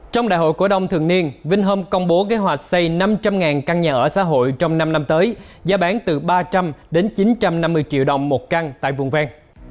trong đại hội cổ đông thường niên vinh hôm công bố kế hoạch xây năm trăm linh căn nhà ở xã hội trong năm năm tới giá bán từ ba trăm linh đến chín trăm năm mươi triệu đồng một căn tại vùng ven